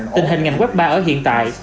tình hình ngành quốc ba ở hiện tại